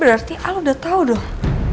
berarti aldo udah tahu dong